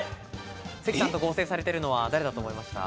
関さんと合成されているのは誰だと思いますか？